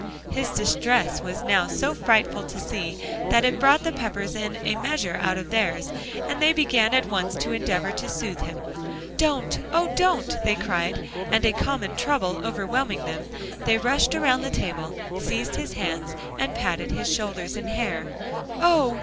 His distress was now so frightful to see, that it brought the Peppers in a measure out of theirs; and they began at once to endeavor to soothe him. "Don't oh! don't," they cried, and a common trouble overwhelming them, they rushed around the table, seized his hands, and patted his shoulders and hair. "Oh!